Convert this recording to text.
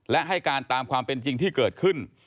และให้การตามความเป็นจริงที่เกิดขึ้น